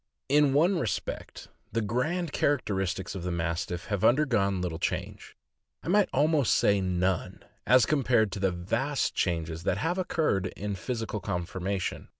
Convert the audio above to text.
In one respect, the grand characteristics of the Mastiff have undergone little change — I might almost say none — as compared with the vast changes that have occurred in physical conformation.